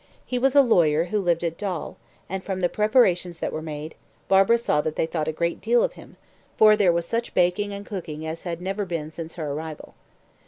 He was a lawyer who lived at Dol, and from the preparations that were made, Barbara saw that they thought a great deal of him, for there was such baking and cooking as had never been since her arrival.